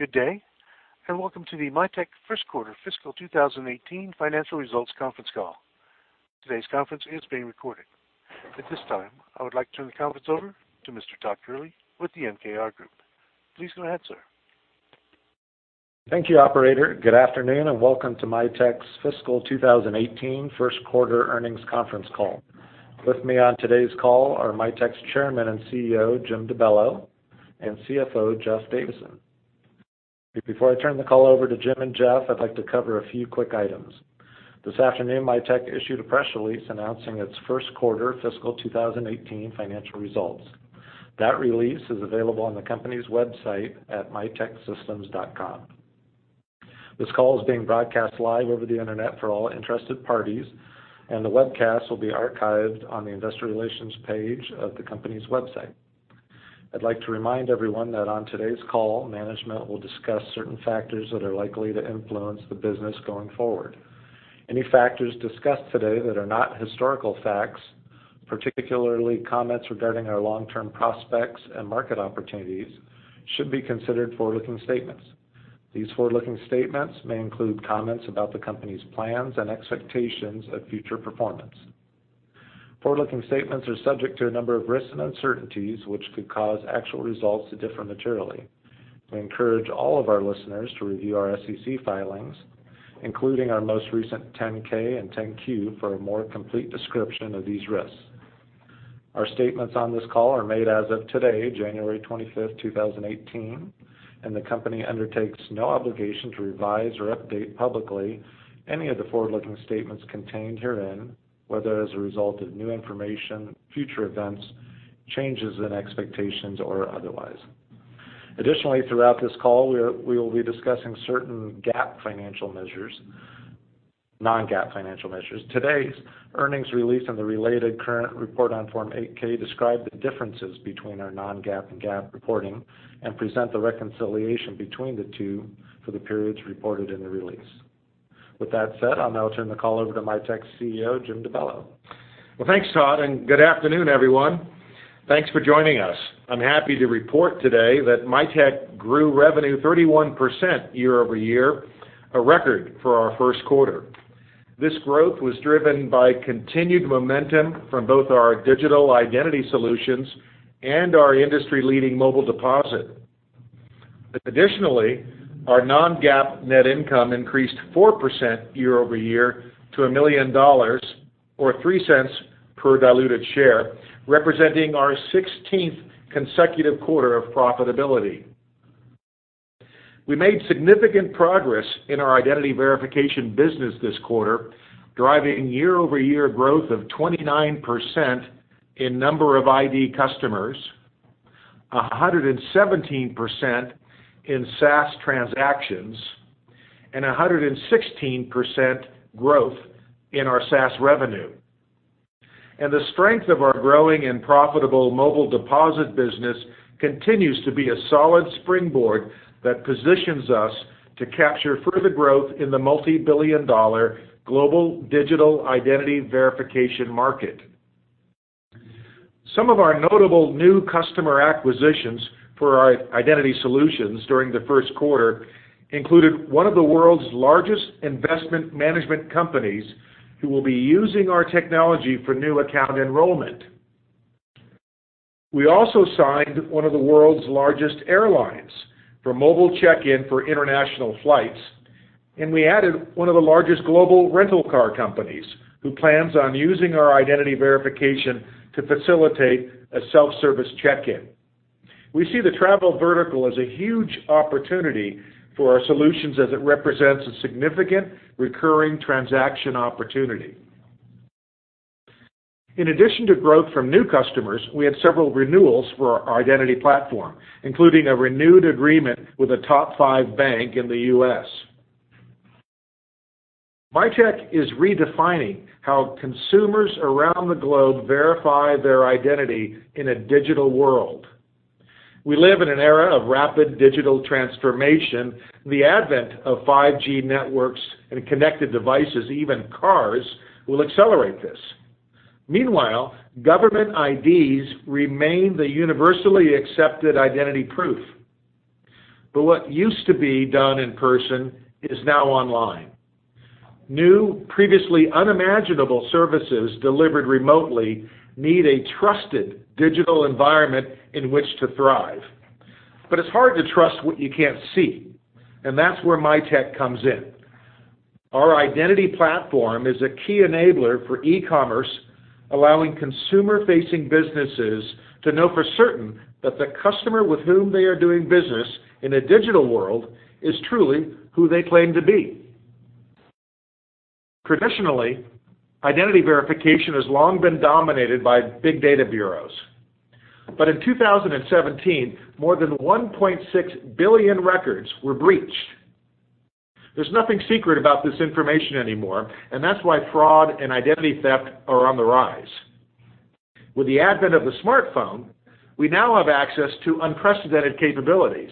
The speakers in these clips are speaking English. Good day, welcome to the Mitek first quarter fiscal 2018 financial results conference call. Today's conference is being recorded. At this time, I would like to turn the conference over to Mr. Todd Kehrli with the MKR Group. Please go ahead, sir. Thank you, operator. Good afternoon, welcome to Mitek's fiscal 2018 first quarter earnings conference call. With me on today's call are Mitek's Chairman and CEO, Jim DeBello, and CFO, Jeff Davison. Before I turn the call over to Jim and Jeff, I'd like to cover a few quick items. This afternoon, Mitek issued a press release announcing its first quarter fiscal 2018 financial results. That release is available on the company's website at miteksystems.com. This call is being broadcast live over the internet for all interested parties, the webcast will be archived on the investor relations page of the company's website. I'd like to remind everyone that on today's call, management will discuss certain factors that are likely to influence the business going forward. Any factors discussed today that are not historical facts, particularly comments regarding our long-term prospects and market opportunities, should be considered forward-looking statements. These forward-looking statements may include comments about the company's plans and expectations of future performance. Forward-looking statements are subject to a number of risks and uncertainties, which could cause actual results to differ materially. We encourage all of our listeners to review our SEC filings, including our most recent 10-K and 10-Q, for a more complete description of these risks. Our statements on this call are made as of today, January 25th, 2018, the company undertakes no obligation to revise or update publicly any of the forward-looking statements contained herein, whether as a result of new information, future events, changes in expectations, or otherwise. Additionally, throughout this call, we will be discussing certain non-GAAP financial measures. Today's earnings release and the related current report on Form 8-K describe the differences between our non-GAAP and GAAP reporting and present the reconciliation between the two for the periods reported in the release. With that said, I'll now turn the call over to Mitek's CEO, Jim DeBello. Well, thanks Todd, and good afternoon, everyone. Thanks for joining us. I'm happy to report today that Mitek grew revenue 31% year-over-year, a record for our first quarter. This growth was driven by continued momentum from both our digital identity solutions and our industry-leading Mobile Deposit. Additionally, our non-GAAP net income increased 4% year-over-year to $1 million, or $0.03 per diluted share, representing our 16th consecutive quarter of profitability. We made significant progress in our identity verification business this quarter, driving year-over-year growth of 29% in number of ID customers, 117% in SaaS transactions, and 116% growth in our SaaS revenue. The strength of our growing and profitable Mobile Deposit business continues to be a solid springboard that positions us to capture further growth in the multi-billion dollar global digital identity verification market. Some of our notable new customer acquisitions for our identity solutions during the first quarter included one of the world's largest investment management companies who will be using our technology for new account enrollment. We also signed one of the world's largest airlines for mobile check-in for international flights, and we added one of the largest global rental car companies, who plans on using our identity verification to facilitate a self-service check-in. We see the travel vertical as a huge opportunity for our solutions as it represents a significant recurring transaction opportunity. In addition to growth from new customers, we had several renewals for our identity platform, including a renewed agreement with a top five bank in the U.S. Mitek is redefining how consumers around the globe verify their identity in a digital world. We live in an era of rapid digital transformation. The advent of 5G networks and connected devices, even cars, will accelerate this. Meanwhile, government IDs remain the universally accepted identity proof. What used to be done in person is now online. New, previously unimaginable services delivered remotely need a trusted digital environment in which to thrive. It's hard to trust what you can't see, and that's where Mitek comes in. Our identity platform is a key enabler for e-commerce, allowing consumer-facing businesses to know for certain that the customer with whom they are doing business in a digital world is truly who they claim to be. Traditionally, identity verification has long been dominated by big data bureaus. In 2017, more than 1.6 billion records were breached. There's nothing secret about this information anymore, and that's why fraud and identity theft are on the rise. With the advent of the smartphone, we now have access to unprecedented capabilities.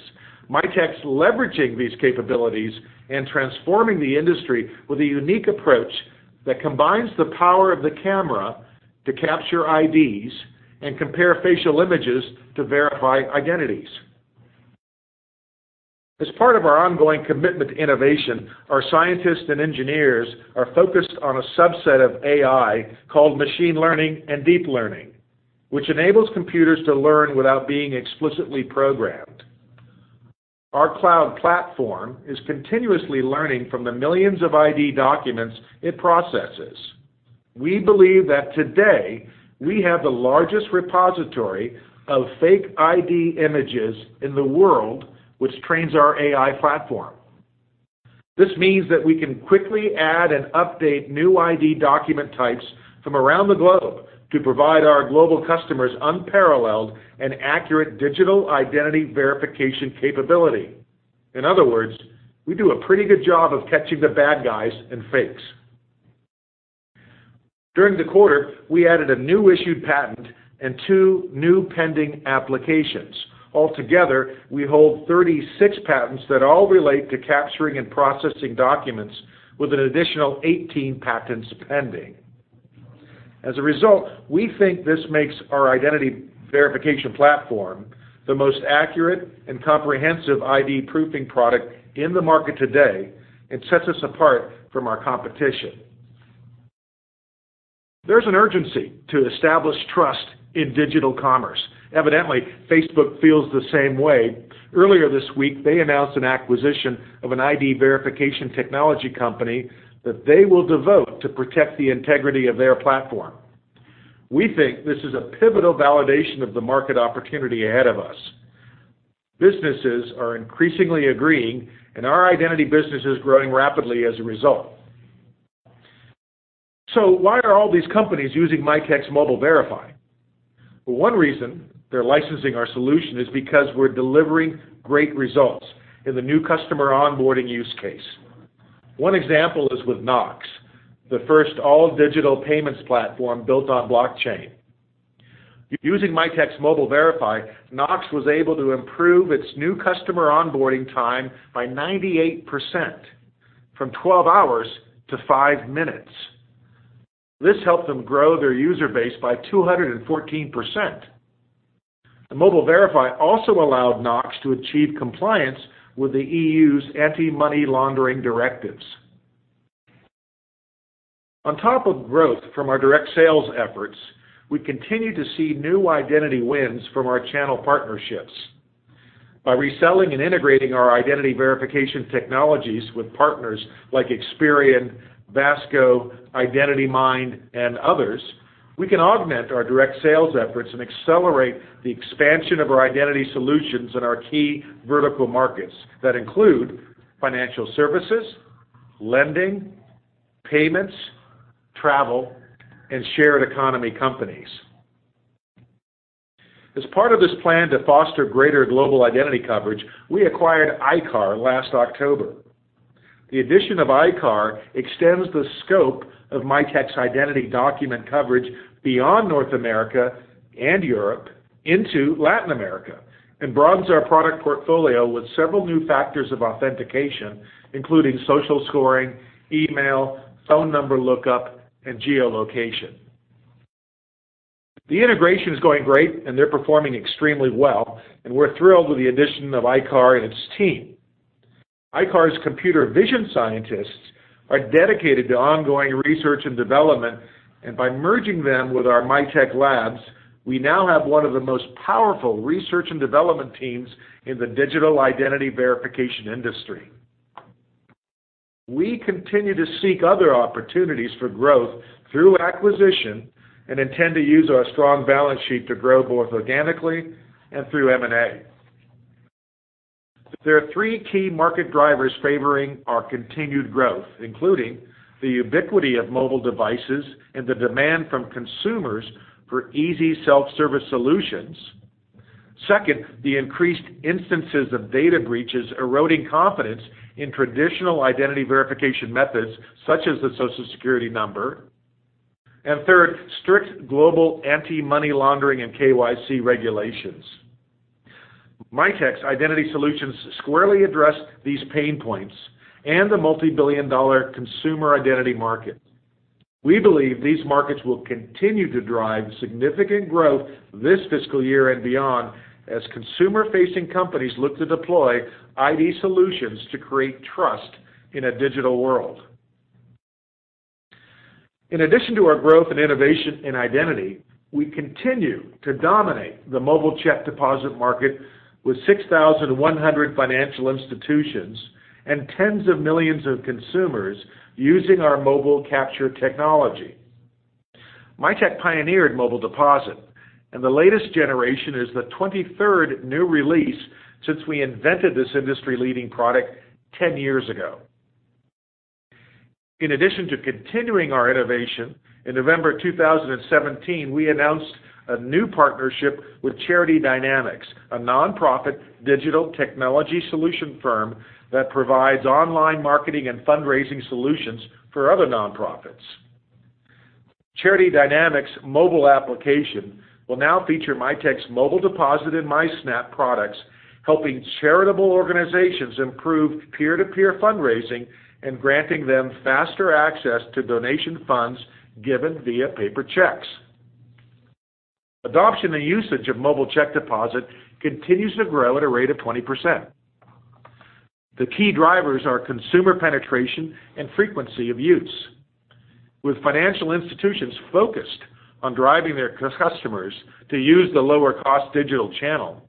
Mitek's leveraging these capabilities and transforming the industry with a unique approach that combines the power of the camera to capture IDs and compare facial images to verify identities. As part of our ongoing commitment to innovation, our scientists and engineers are focused on a subset of AI called machine learning and deep learning, which enables computers to learn without being explicitly programmed. Our cloud platform is continuously learning from the millions of ID documents it processes. We believe that today we have the largest repository of fake ID images in the world, which trains our AI platform. This means that we can quickly add and update new ID document types from around the globe to provide our global customers unparalleled and accurate digital identity verification capability. In other words, we do a pretty good job of catching the bad guys and fakes. During the quarter, we added a new issued patent and two new pending applications. Altogether, we hold 36 patents that all relate to capturing and processing documents with an additional 18 patents pending. As a result, we think this makes our identity verification platform the most accurate and comprehensive ID proofing product in the market today and sets us apart from our competition. There's an urgency to establish trust in digital commerce. Evidently, Facebook feels the same way. Earlier this week, they announced an acquisition of an ID verification technology company that they will devote to protect the integrity of their platform. We think this is a pivotal validation of the market opportunity ahead of us. Businesses are increasingly agreeing, and our identity business is growing rapidly as a result. Why are all these companies using Mitek's Mobile Verify? Well, one reason they're licensing our solution is because we're delivering great results in the new customer onboarding use case. One example is with Knox, the first all-digital payments platform built on blockchain. Using Mitek's Mobile Verify, Knox was able to improve its new customer onboarding time by 98%, from 12 hours to five minutes. This helped them grow their user base by 214%. Mobile Verify also allowed Knox to achieve compliance with the EU's anti-money laundering directives. On top of growth from our direct sales efforts, we continue to see new identity wins from our channel partnerships. By reselling and integrating our identity verification technologies with partners like Experian, VASCO, IdentityMind, and others, we can augment our direct sales efforts and accelerate the expansion of our identity solutions in our key vertical markets that include financial services, lending, payments, travel, and shared economy companies. As part of this plan to foster greater global identity coverage, we acquired ICAR last October. The addition of ICAR extends the scope of Mitek's identity document coverage beyond North America and Europe into Latin America and broadens our product portfolio with several new factors of authentication, including social scoring, email, phone number lookup, and geolocation. The integration is going great, and they're performing extremely well, and we're thrilled with the addition of ICAR and its team. ICAR's computer vision scientists are dedicated to ongoing research and development, and by merging them with our Mitek Labs, we now have one of the most powerful research and development teams in the digital identity verification industry. We continue to seek other opportunities for growth through acquisition and intend to use our strong balance sheet to grow both organically and through M&A. There are three key market drivers favoring our continued growth, including the ubiquity of mobile devices and the demand from consumers for easy self-service solutions. Second, the increased instances of data breaches eroding confidence in traditional identity verification methods such as the Social Security number. Third, strict global anti-money laundering and KYC regulations. Mitek's identity solutions squarely address these pain points and the multibillion-dollar consumer identity market. We believe these markets will continue to drive significant growth this fiscal year and beyond as consumer-facing companies look to deploy ID solutions to create trust in a digital world. In addition to our growth and innovation in identity, we continue to dominate the mobile check deposit market with 6,100 financial institutions and tens of millions of consumers using our mobile capture technology. Mitek pioneered Mobile Deposit, and the latest generation is the 23rd new release since we invented this industry-leading product 10 years ago. In addition to continuing our innovation, in November 2017, we announced a new partnership with Charity Dynamics, a nonprofit digital technology solution firm that provides online marketing and fundraising solutions for other nonprofits. Charity Dynamics' mobile application will now feature Mitek's Mobile Deposit and MiSnap products, helping charitable organizations improve peer-to-peer fundraising and granting them faster access to donation funds given via paper checks. Adoption and usage of Mobile Deposit continues to grow at a rate of 20%. The key drivers are consumer penetration and frequency of use. With financial institutions focused on driving their customers to use the lower cost digital channel,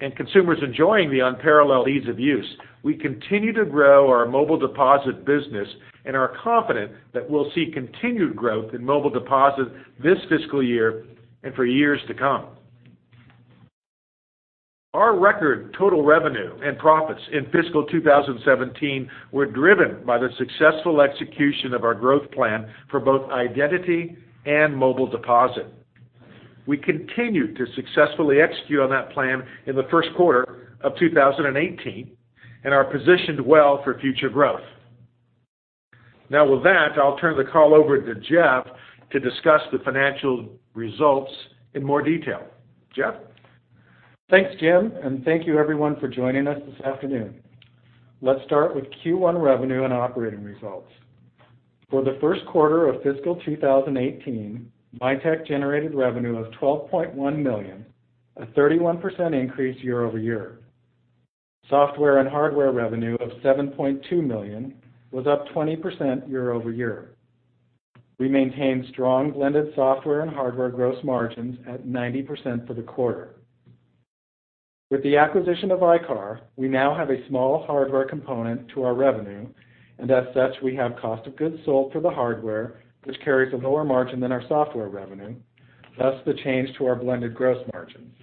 and consumers enjoying the unparalleled ease of use, we continue to grow our Mobile Deposit business and are confident that we'll see continued growth in Mobile Deposit this fiscal year and for years to come. Our record total revenue and profits in fiscal 2017 were driven by the successful execution of our growth plan for both identity and Mobile Deposit. We continued to successfully execute on that plan in the first quarter of 2018 and are positioned well for future growth. With that, I'll turn the call over to Jeff to discuss the financial results in more detail. Jeff? Thanks, Jim, and thank you everyone for joining us this afternoon. Let's start with Q1 revenue and operating results. For the first quarter of fiscal 2018, Mitek generated revenue of $12.1 million, a 31% increase year-over-year. Software and hardware revenue of $7.2 million was up 20% year-over-year. We maintained strong blended software and hardware gross margins at 90% for the quarter. With the acquisition of ICAR, we now have a small hardware component to our revenue, and as such, we have cost of goods sold for the hardware, which carries a lower margin than our software revenue, thus the change to our blended gross margins.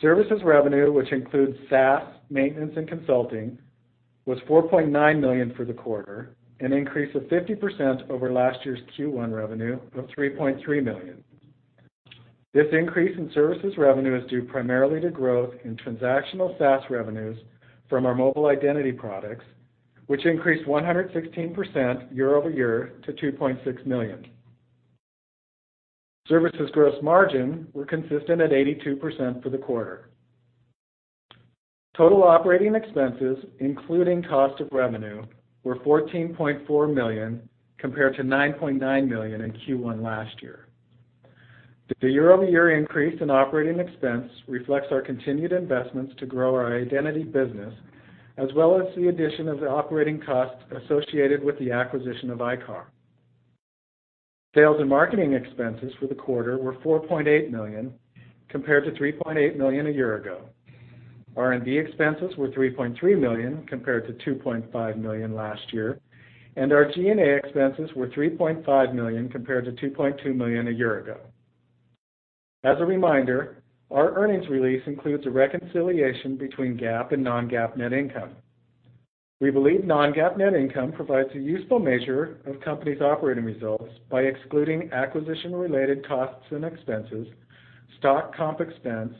Services revenue, which includes SaaS, maintenance, and consulting, was $4.9 million for the quarter, an increase of 50% over last year's Q1 revenue of $3.3 million. This increase in services revenue is due primarily to growth in transactional SaaS revenues from our mobile identity products, which increased 116% year-over-year to $2.6 million. Services gross margin were consistent at 82% for the quarter. Total operating expenses, including cost of revenue, were $14.4 million compared to $9.9 million in Q1 last year. The year-over-year increase in operating expense reflects our continued investments to grow our identity business, as well as the addition of the operating costs associated with the acquisition of ICAR. Sales and marketing expenses for the quarter were $4.8 million, compared to $3.8 million a year ago. R&D expenses were $3.3 million compared to $2.5 million last year, and our G&A expenses were $3.5 million compared to $2.2 million a year ago. As a reminder, our earnings release includes a reconciliation between GAAP and non-GAAP net income. We believe non-GAAP net income provides a useful measure of company's operating results by excluding acquisition-related costs and expenses, stock comp expense,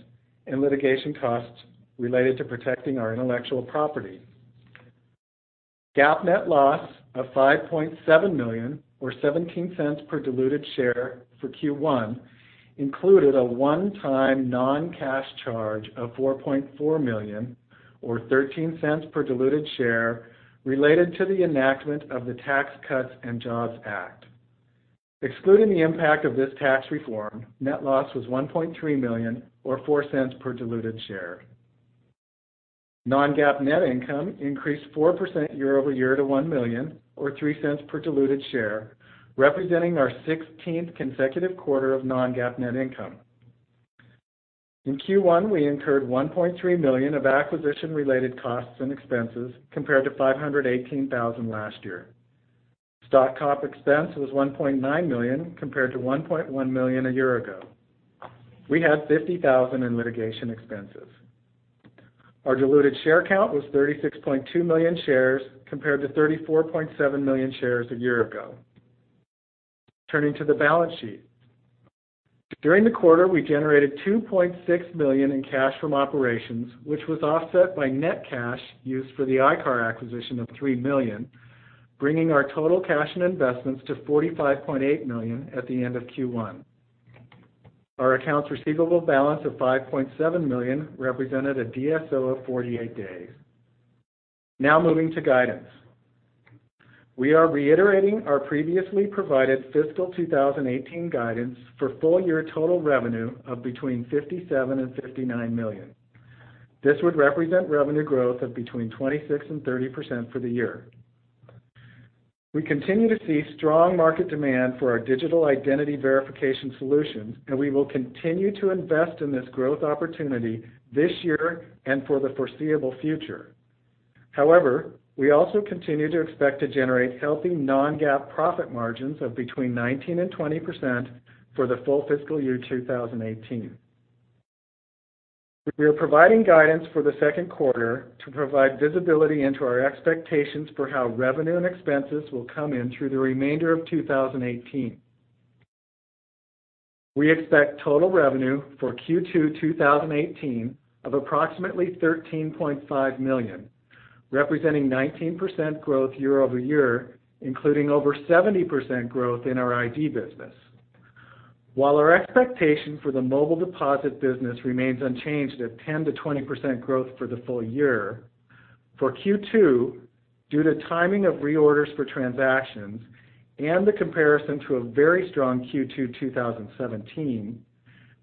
and litigation costs related to protecting our intellectual property. GAAP net loss of $5.7 million, or $0.17 per diluted share for Q1, included a one-time non-cash charge of $4.4 million, or $0.13 per diluted share related to the enactment of the Tax Cuts and Jobs Act. Excluding the impact of this tax reform, net loss was $1.3 million or $0.04 per diluted share. Non-GAAP net income increased 4% year-over-year to $1 million or $0.03 per diluted share, representing our 16th consecutive quarter of non-GAAP net income. In Q1, we incurred $1.3 million of acquisition-related costs and expenses compared to $518,000 last year. Stock comp expense was $1.9 million compared to $1.1 million a year ago. We had $50,000 in litigation expenses. Our diluted share count was 36.2 million shares compared to 34.7 million shares a year ago. Turning to the balance sheet. During the quarter, we generated $2.6 million in cash from operations, which was offset by net cash used for the ICAR acquisition of $3 million, bringing our total cash and investments to $45.8 million at the end of Q1. Our accounts receivable balance of $5.7 million represented a DSO of 48 days. Moving to guidance. We are reiterating our previously provided fiscal 2018 guidance for full year total revenue of between $57 million and $59 million. This would represent revenue growth of between 26% and 30% for the year. We continue to see strong market demand for our digital identity verification solutions, and we will continue to invest in this growth opportunity this year and for the foreseeable future. We also continue to expect to generate healthy non-GAAP profit margins of between 19% and 20% for the full fiscal year 2018. We are providing guidance for the second quarter to provide visibility into our expectations for how revenue and expenses will come in through the remainder of 2018. We expect total revenue for Q2 2018 of approximately $13.5 million, representing 19% growth year-over-year, including over 70% growth in our ID business. While our expectation for the mobile deposit business remains unchanged at 10%-20% growth for the full year For Q2, due to timing of reorders for transactions and the comparison to a very strong Q2 2017,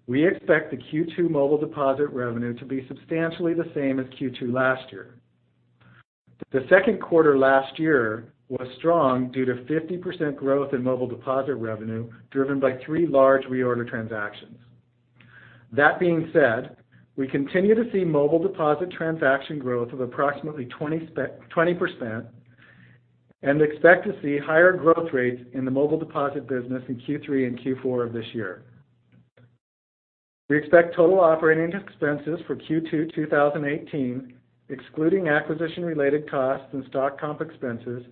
we expect the Q2 mobile deposit revenue to be substantially the same as Q2 last year. The second quarter last year was strong due to 50% growth in mobile deposit revenue, driven by three large reorder transactions. We continue to see mobile deposit transaction growth of approximately 20%, and expect to see higher growth rates in the mobile deposit business in Q3 and Q4 of this year. We expect total operating expenses for Q2 2018, excluding acquisition-related costs and stock comp expenses,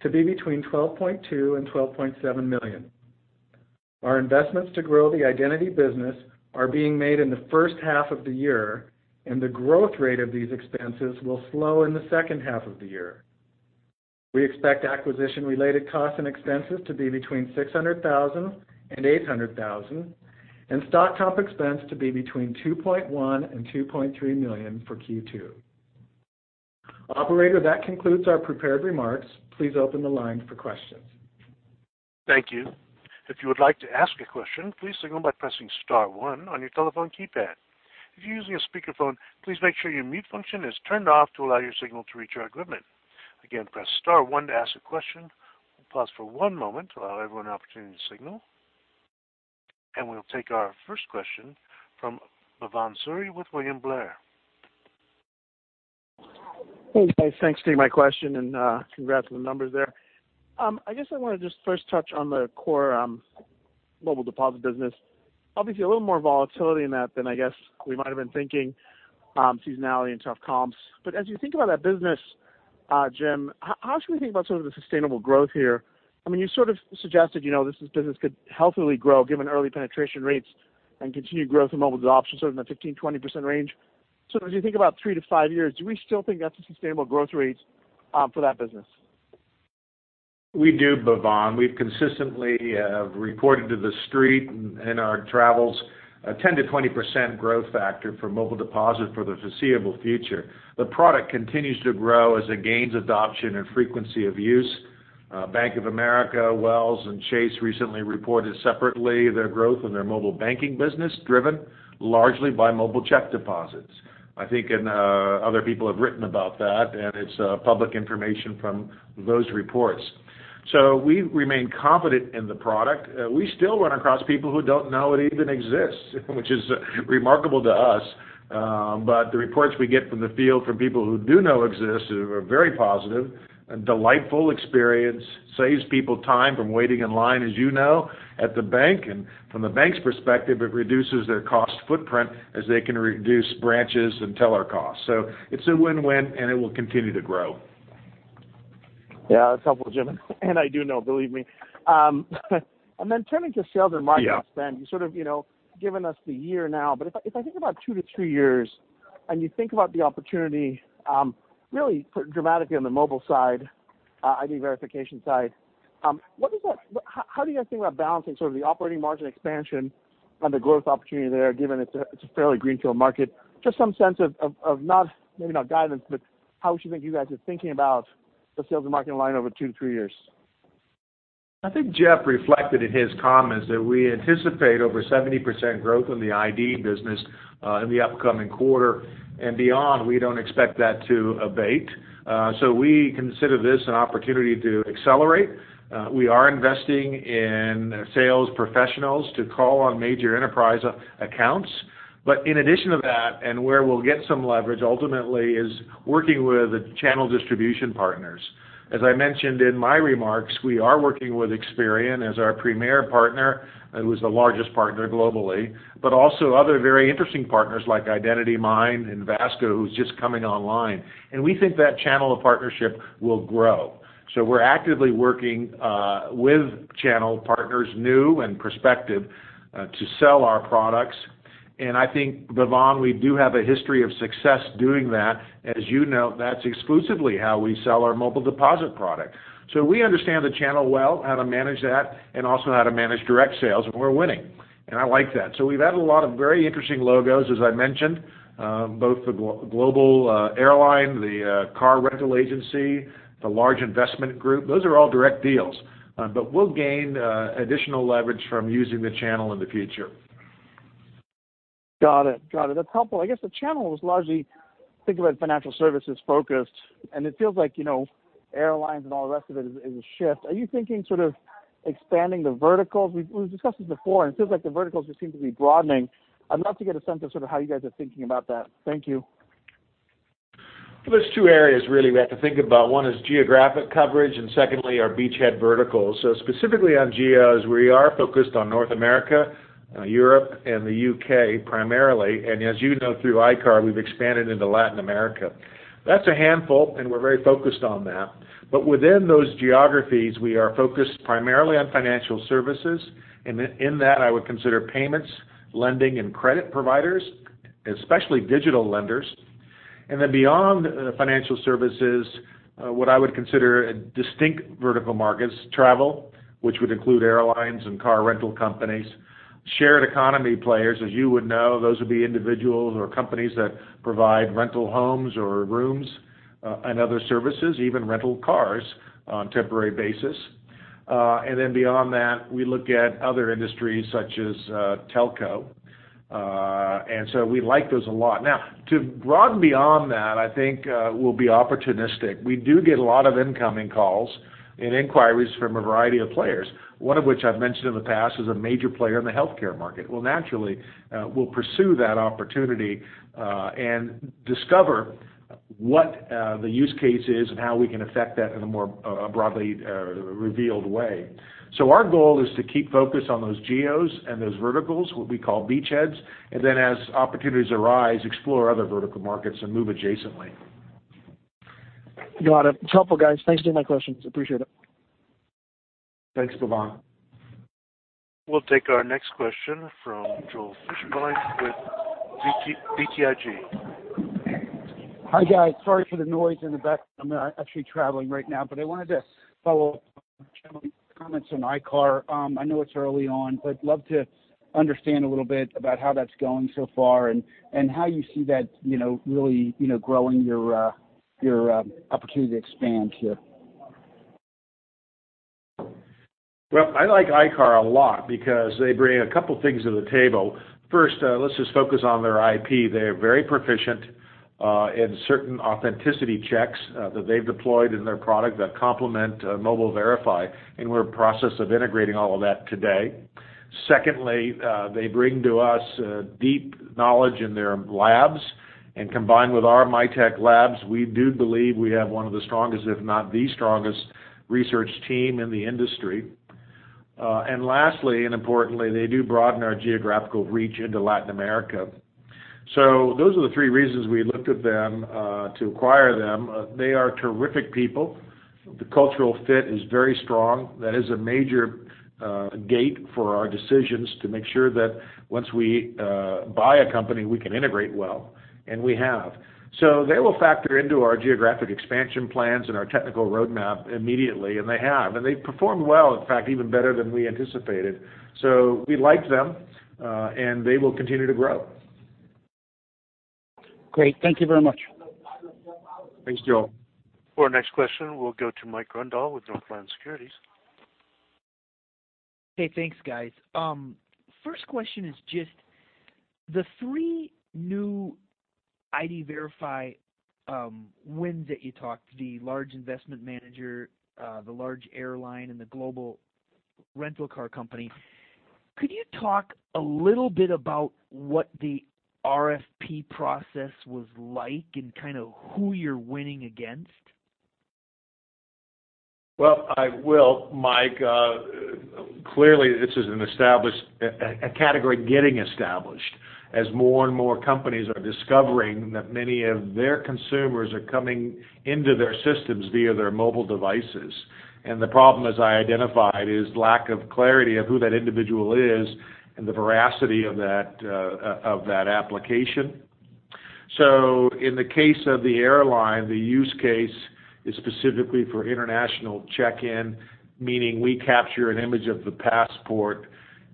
to be between $12.2 million and $12.7 million. Our investments to grow the identity business are being made in the first half of the year, and the growth rate of these expenses will slow in the second half of the year. We expect acquisition-related costs and expenses to be between $600,000 and $800,000, and stock comp expense to be between $2.1 million and $2.3 million for Q2. Operator, that concludes our prepared remarks. Please open the line for questions. Thank you. If you would like to ask a question, please signal by pressing star one on your telephone keypad. If you're using a speakerphone, please make sure your mute function is turned off to allow your signal to reach our equipment. Again, press star one to ask a question. We'll pause for one moment to allow everyone an opportunity to signal. We'll take our first question from Bhavan Suri with William Blair. Hey guys, thanks for taking my question and congrats on the numbers there. I guess I want to just first touch on the core Mobile Deposit business. Obviously, a little more volatility in that than I guess we might have been thinking, seasonality and tough comps. As you think about that business, Jim, how should we think about some of the sustainable growth here? You sort of suggested this business could healthily grow given early penetration rates and continued growth in mobile adoption, sort of in the 15%-20% range. As you think about three to five years, do we still think that's a sustainable growth rate for that business? We do, Bhavan. We've consistently reported to the street in our travels a 10%-20% growth factor for Mobile Deposit for the foreseeable future. The product continues to grow as it gains adoption and frequency of use. Bank of America, Wells, and Chase recently reported separately their growth in their mobile banking business, driven largely by mobile check deposits. I think other people have written about that, and it's public information from those reports. We remain confident in the product. We still run across people who don't know it even exists, which is remarkable to us. The reports we get from the field from people who do know it exists are very positive and delightful experience, saves people time from waiting in line, as you know, at the bank. From the bank's perspective, it reduces their cost footprint as they can reduce branches and teller costs. It's a win-win, and it will continue to grow. Yeah, that's helpful, Jim. I do know, believe me. Turning to sales and marketing spend. Yeah. You've sort of given us the year now. If I think about two to three years and you think about the opportunity really dramatically on the mobile side, ID verification side, how do you guys think about balancing sort of the operating margin expansion and the growth opportunity there, given it's a fairly greenfield market? Just some sense of, maybe not guidance, but how should we think you guys are thinking about the sales and marketing line over two to three years? I think Jeff reflected in his comments that we anticipate over 70% growth in the ID business in the upcoming quarter and beyond. We don't expect that to abate. We consider this an opportunity to accelerate. We are investing in sales professionals to call on major enterprise accounts. In addition to that, and where we'll get some leverage ultimately, is working with the channel distribution partners. As I mentioned in my remarks, we are working with Experian as our premier partner, who is the largest partner globally, but also other very interesting partners like IdentityMind and VASCO, who's just coming online. We think that channel of partnership will grow. We're actively working with channel partners, new and prospective, to sell our products. I think, Bhavan, we do have a history of success doing that. As you know, that's exclusively how we sell our Mobile Deposit product. We understand the channel well, how to manage that, and also how to manage direct sales, and we're winning. I like that. We've added a lot of very interesting logos, as I mentioned, both the global airline, the car rental agency, the large investment group. Those are all direct deals. We'll gain additional leverage from using the channel in the future. Got it. That's helpful. I guess the channel was largely, think about financial services focused, and it feels like airlines and all the rest of it is a shift. Are you thinking sort of expanding the verticals? We've discussed this before, it feels like the verticals just seem to be broadening. I'd love to get a sense of sort of how you guys are thinking about that. Thank you. There's two areas really we have to think about. One is geographic coverage, secondly, our beachhead verticals. Specifically on geos, we are focused on North America, Europe, and the U.K. primarily. As you know, through ICAR, we've expanded into Latin America. That's a handful, we're very focused on that. Within those geographies, we are focused primarily on financial services. In that, I would consider payments, lending, and credit providers, especially digital lenders. Beyond financial services, what I would consider distinct vertical markets, travel, which would include airlines and car rental companies. Shared economy players, as you would know, those would be individuals or companies that provide rental homes or rooms, and other services, even rental cars on temporary basis. Beyond that, we look at other industries such as telco. We like those a lot. To broaden beyond that, I think we'll be opportunistic. We do get a lot of incoming calls and inquiries from a variety of players, one of which I've mentioned in the past is a major player in the healthcare market. Naturally, we'll pursue that opportunity, and discover what the use case is and how we can affect that in a more broadly revealed way. Our goal is to keep focused on those geos and those verticals, what we call beachheads, as opportunities arise, explore other vertical markets and move adjacently. Got it. It's helpful, guys. Thanks for doing my questions. Appreciate it. Thanks, Bhavan. We'll take our next question from Joel Fishbein with BTIG. Hi, guys. Sorry for the noise in the back. I'm actually traveling right now. I wanted to follow up on Jim's comments on ICAR. I know it's early on. I love to understand a little bit about how that's going so far and how you see that really growing your opportunity to expand here. I like ICAR a lot because they bring a couple things to the table. First, let's just focus on their IP. They're very proficient in certain authenticity checks that they've deployed in their product that complement Mobile Verify, and we're in process of integrating all of that today. Secondly, they bring to us deep knowledge in their labs, and combined with our Mitek Labs, we do believe we have one of the strongest, if not the strongest research team in the industry. Lastly, and importantly, they do broaden our geographical reach into Latin America. Those are the three reasons we looked at them, to acquire them. They are terrific people. The cultural fit is very strong. That is a major gate for our decisions to make sure that once we buy a company, we can integrate well, and we have. They will factor into our geographic expansion plans and our technical roadmap immediately, and they have. They've performed well, in fact, even better than we anticipated. We like them, and they will continue to grow. Great. Thank you very much. Thanks, Joel. For our next question, we'll go to Mike Grondahl with Northland Securities. Hey, thanks, guys. First question is just the three new ID verify wins that you talked, the large investment manager, the large airline, and the global rental car company. Could you talk a little bit about what the RFP process was like and who you're winning against? Well, I will, Mike. Clearly, this is a category getting established as more and more companies are discovering that many of their consumers are coming into their systems via their mobile devices. The problem, as I identified, is lack of clarity of who that individual is and the veracity of that application. In the case of the airline, the use case is specifically for international check-in, meaning we capture an image of the passport,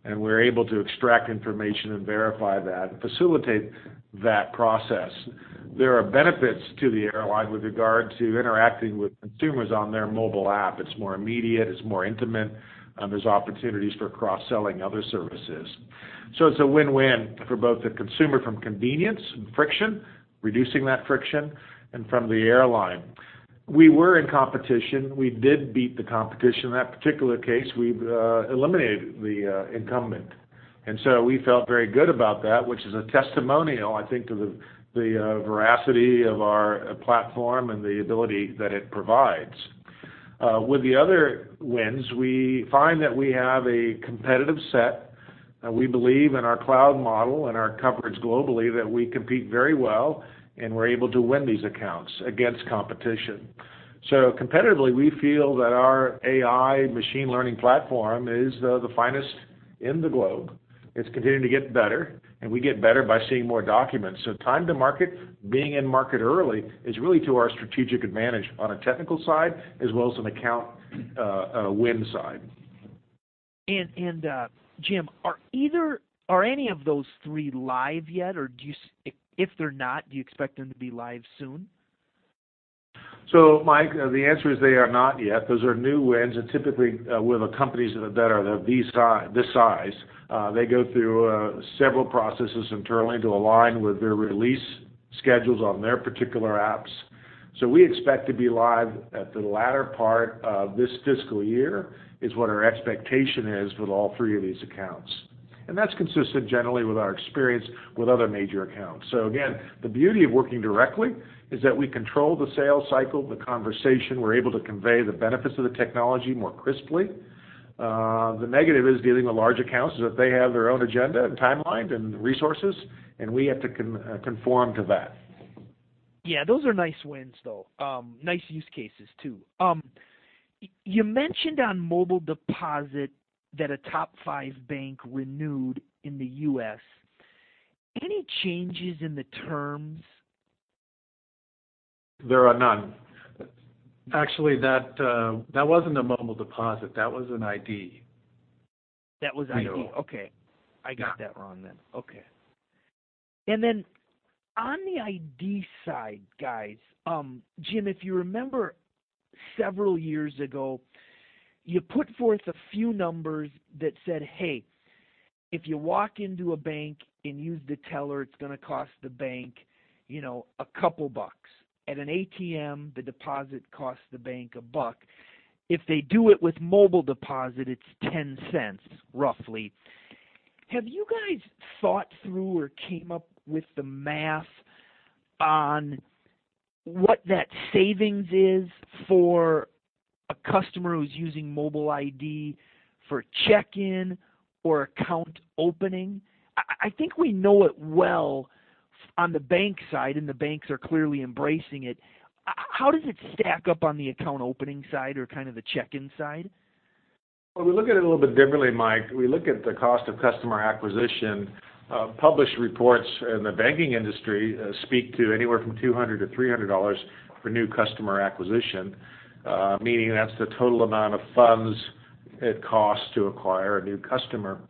and we're able to extract information and verify that, facilitate that process. There are benefits to the airline with regard to interacting with consumers on their mobile app. It's more immediate, it's more intimate. There's opportunities for cross-selling other services. It's a win-win for both the consumer from convenience and friction, reducing that friction, and from the airline. We were in competition. We did beat the competition. In that particular case, we've eliminated the incumbent. We felt very good about that, which is a testimonial, I think, to the veracity of our platform and the ability that it provides. With the other wins, we find that we have a competitive set. We believe in our cloud model and our coverage globally, that we compete very well, and we're able to win these accounts against competition. Competitively, we feel that our AI machine learning platform is the finest in the globe. It's continuing to get better, and we get better by seeing more documents. Time to market, being in market early is really to our strategic advantage on a technical side as well as an account win side. Jim, are any of those three live yet? If they're not, do you expect them to be live soon? Mike, the answer is they are not yet. Those are new wins, and typically with the companies that are this size, they go through several processes internally to align with their release schedules on their particular apps. We expect to be live at the latter part of this fiscal year, is what our expectation is with all three of these accounts. That's consistent generally with our experience with other major accounts. Again, the beauty of working directly is that we control the sales cycle, the conversation. We're able to convey the benefits of the technology more crisply. The negative is dealing with large accounts is that they have their own agenda and timeline and resources, and we have to conform to that. Yeah, those are nice wins, though. Nice use cases, too. You mentioned on Mobile Deposit that a top five bank renewed in the U.S. Any changes in the terms? There are none. Actually, that wasn't a Mobile Deposit, that was an ID. That was ID. You know. Okay. I got that wrong then. Okay. On the ID side, guys, Jim, if you remember several years ago, you put forth a few numbers that said, "Hey, if you walk into a bank and use the teller, it's going to cost the bank a couple bucks. At an ATM, the deposit costs the bank a buck. If they do it with Mobile Deposit, it's $0.10, roughly." Have you guys thought through or came up with the math on what that savings is for a customer who's using mobile ID for check-in or account opening? I think we know it well on the bank side, and the banks are clearly embracing it. How does it stack up on the account opening side or the check-in side? Well, we look at it a little bit differently, Mike. We look at the cost of customer acquisition. Published reports in the banking industry speak to anywhere from $200-$300 for new customer acquisition, meaning that's the total amount of funds it costs to acquire a new customer.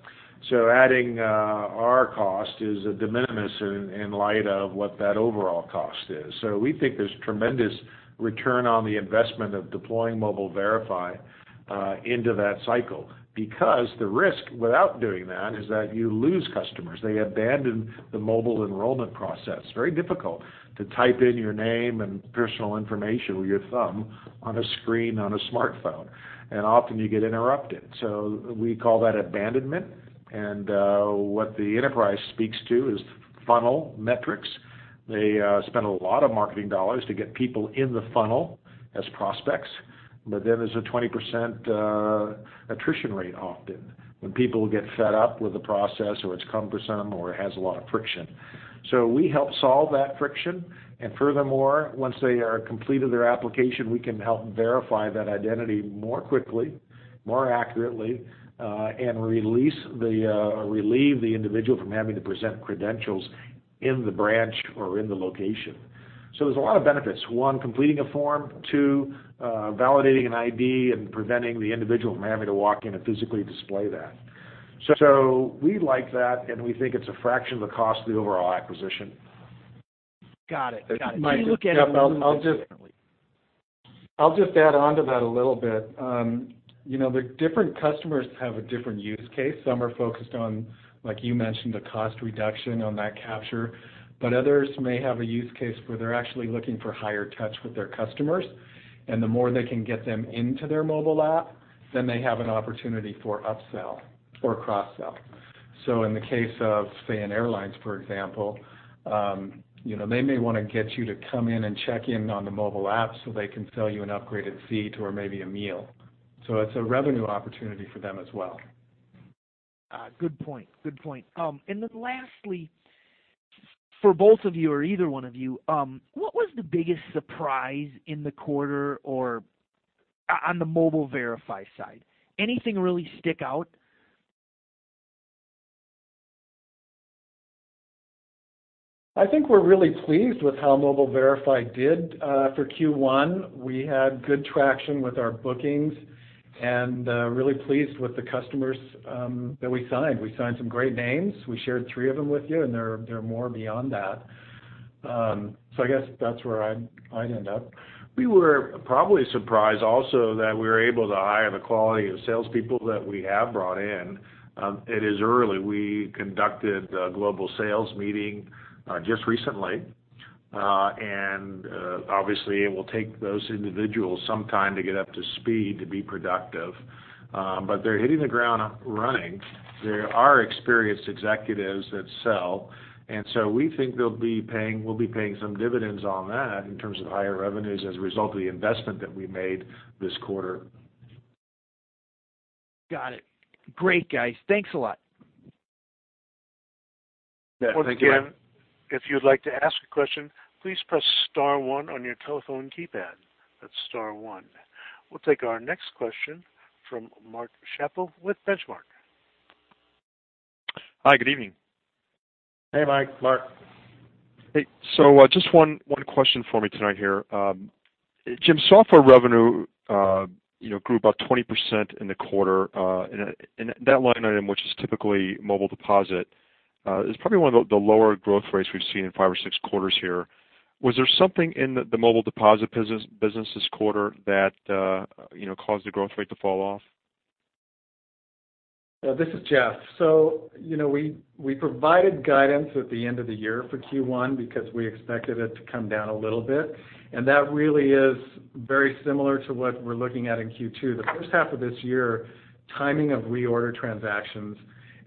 Adding our cost is a de minimis in light of what that overall cost is. We think there's tremendous return on the investment of deploying Mobile Verify into that cycle. The risk without doing that is that you lose customers. They abandon the mobile enrollment process. Very difficult to type in your name and personal information with your thumb on a screen on a smartphone, and often you get interrupted. We call that abandonment, and what the enterprise speaks to is funnel metrics. They spend a lot of marketing dollars to get people in the funnel as prospects. But there's a 20% attrition rate often when people get fed up with the process or it's cumbersome or it has a lot of friction. We help solve that friction, and furthermore, once they are completed their application, we can help verify that identity more quickly, more accurately, and relieve the individual from having to present credentials in the branch or in the location. There's a lot of benefits. One, completing a form. Two, validating an ID and preventing the individual from having to walk in and physically display that. We like that, and we think it's a fraction of the cost of the overall acquisition. Got it. Mike- You look at it a little bit differently. I'll just add onto that a little bit. The different customers have a different use case. Some are focused on, like you mentioned, the cost reduction on that capture, but others may have a use case where they're actually looking for higher touch with their customers, and the more they can get them into their mobile app, then they have an opportunity for upsell or cross-sell. In the case of, say, an airlines, for example, they may want to get you to come in and check in on the mobile app so they can sell you an upgraded seat or maybe a meal. It's a revenue opportunity for them as well. Good point. Lastly, for both of you or either one of you, what was the biggest surprise in the quarter or on the Mobile Verify side? Anything really stick out? I think we're really pleased with how Mobile Verify did for Q1. We had good traction with our bookings and really pleased with the customers that we signed. We signed some great names. We shared three of them with you, and there are more beyond that. I guess that's where I'd end up. We were probably surprised also that we were able to hire the quality of salespeople that we have brought in. It is early. We conducted a global sales meeting just recently. Obviously it will take those individuals some time to get up to speed to be productive. They're hitting the ground running. They are experienced executives that sell, we think we'll be paying some dividends on that in terms of higher revenues as a result of the investment that we made this quarter. Got it. Great, guys. Thanks a lot. Yeah. Thank you. Once again, if you'd like to ask a question, please press star one on your telephone keypad. That's star one. We'll take our next question from Mark Schappel with Benchmark. Hi, good evening. Hey, Mark. Mark. Hey. Just one question for me tonight here. Jim, software revenue grew about 20% in the quarter. That line item, which is typically Mobile Deposit, is probably one of the lower growth rates we've seen in five or six quarters here. Was there something in the Mobile Deposit business this quarter that caused the growth rate to fall off? This is Jeff. We provided guidance at the end of the year for Q1 because we expected it to come down a little bit, and that really is very similar to what we're looking at in Q2. The first half of this year, timing of reorder transactions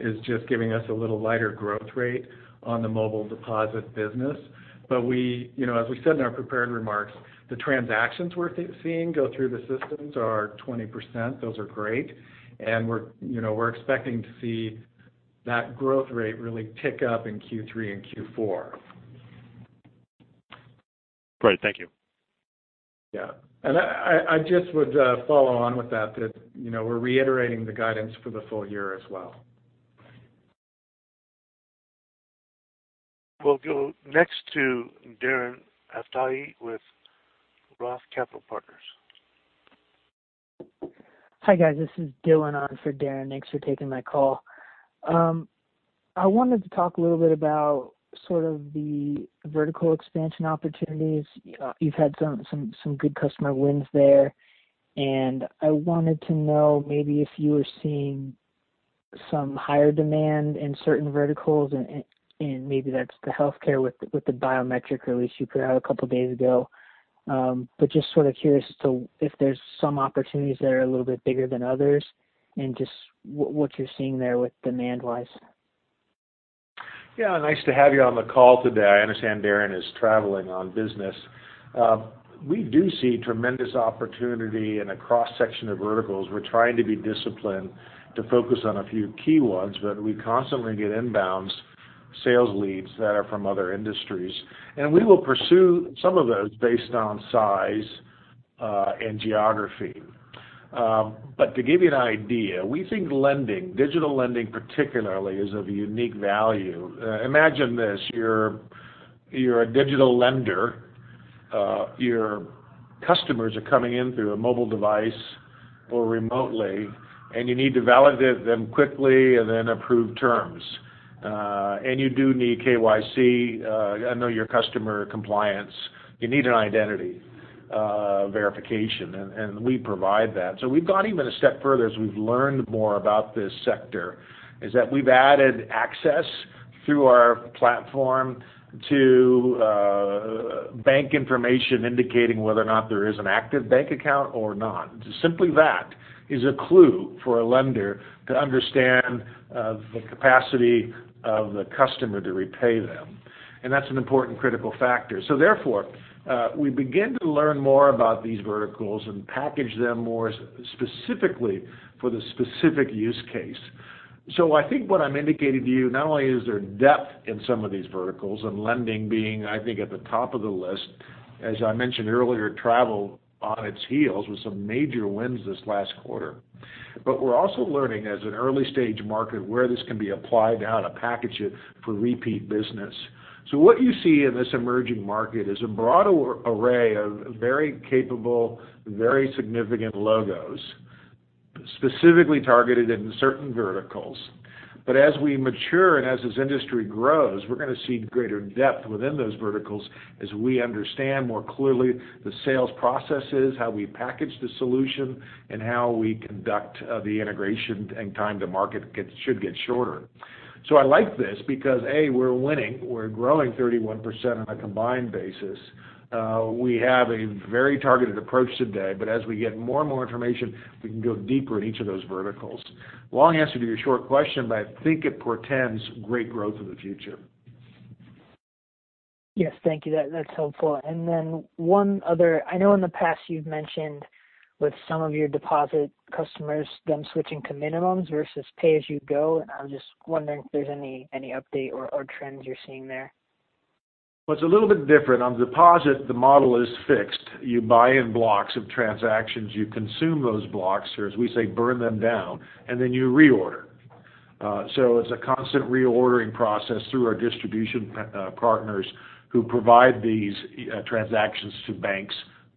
is just giving us a little lighter growth rate on the Mobile Deposit business. As we said in our prepared remarks, the transactions we're seeing go through the systems are 20%. Those are great, and we're expecting to see that growth rate really pick up in Q3 and Q4. Great. Thank you. I just would follow on with that we're reiterating the guidance for the full year as well. We'll go next to Darren Aftahi with ROTH Capital Partners. Hi, guys. This is Dylan on for Darren. Thanks for taking my call. I wanted to talk a little bit about the vertical expansion opportunities. You've had some good customer wins there. I wanted to know maybe if you were seeing some higher demand in certain verticals, maybe that's the healthcare with the biometric release you put out 2 days ago. Just curious as to if there's some opportunities that are a little bit bigger than others and just what you're seeing there with demand-wise. Yeah, nice to have you on the call today. I understand Darren is traveling on business. We do see tremendous opportunity in a cross-section of verticals. We're trying to be disciplined to focus on a few key ones. We constantly get inbounds sales leads that are from other industries. We will pursue some of those based on size and geography. To give you an idea, we think lending, digital lending particularly, is of unique value. Imagine this, you're a digital lender. Your customers are coming in through a mobile device or remotely. You need to validate them quickly and then approve terms. You do need KYC, know your customer compliance. You need an identity verification. We provide that. We've gone even a step further as we've learned more about this sector, is that we've added access through our platform to bank information indicating whether or not there is an active bank account or not. Simply that is a clue for a lender to understand the capacity of the customer to repay them. That's an important critical factor. Therefore, we begin to learn more about these verticals and package them more specifically for the specific use case. I think what I'm indicating to you, not only is there depth in some of these verticals and lending being, I think, at the top of the list, as I mentioned earlier, travel on its heels with some major wins this last quarter. We're also learning as an early-stage market where this can be applied, how to package it for repeat business. What you see in this emerging market is a broad array of very capable, very significant logos, specifically targeted in certain verticals. As we mature as this industry grows, we're going to see greater depth within those verticals as we understand more clearly the sales processes, how we package the solution, how we conduct the integration and time to market should get shorter. I like this because, A, we're winning. We're growing 31% on a combined basis. We have a very targeted approach today. As we get more and more information, we can go deeper in each of those verticals. Long answer to your short question. I think it portends great growth in the future. Yes. Thank you. That's helpful. One other, I know in the past you've mentioned with some of your deposit customers, them switching to minimums versus pay-as-you-go. I'm just wondering if there's any update or trends you're seeing there. Well, it's a little bit different. On deposit, the model is fixed. You buy in blocks of transactions, you consume those blocks, or as we say, burn them down, you reorder. It's a constant reordering process through our distribution partners who provide these transactions to banks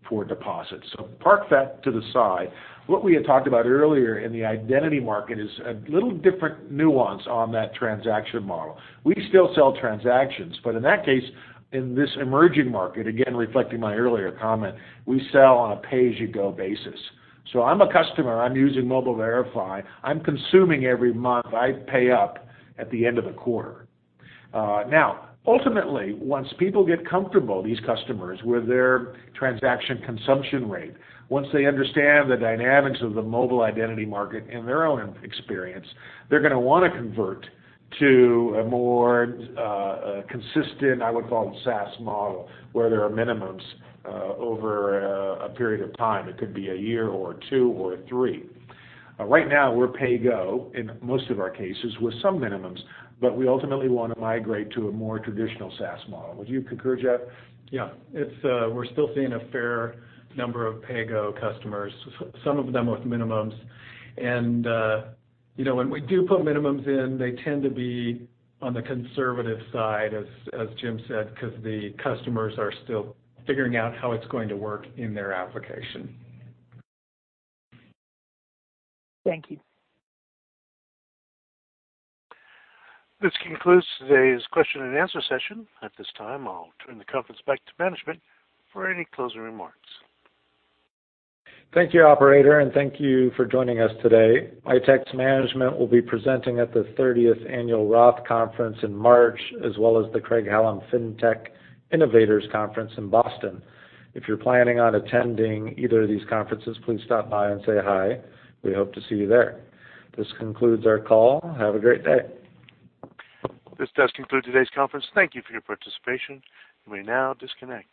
for deposits. Park that to the side. What we had talked about earlier in the identity market is a little different nuance on that transaction model. We still sell transactions, in that case, in this emerging market, again, reflecting my earlier comment, we sell on a pay-as-you-go basis. I'm a customer, I'm using Mobile Verify, I'm consuming every month, I pay up at the end of the quarter. Ultimately, once people get comfortable, these customers, with their transaction consumption rate, once they understand the dynamics of the mobile identity market in their own experience, they're going to want to convert to a more consistent, I would call it, SaaS model, where there are minimums over a period of time. It could be a year or two or three. Right now, we're pay go in most of our cases with some minimums, we ultimately want to migrate to a more traditional SaaS model. Would you concur, Jeff? Yeah. We're still seeing a fair number of pay go customers, some of them with minimums. When we do put minimums in, they tend to be on the conservative side, as Jim said, because the customers are still figuring out how it's going to work in their application. Thank you. This concludes today's question and answer session. At this time, I'll turn the conference back to management for any closing remarks. Thank you, operator, and thank you for joining us today. Mitek's management will be presenting at the 30th Annual ROTH Conference in March, as well as the Craig-Hallum FinTech Innovators Conference in Boston. If you're planning on attending either of these conferences, please stop by and say hi. We hope to see you there. This concludes our call. Have a great day. This does conclude today's conference. Thank you for your participation. You may now disconnect.